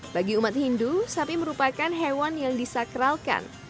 bagi umat hindu sapi merupakan hewan yang disakralkan